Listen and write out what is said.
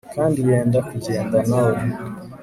kandi yenda kugenda nawe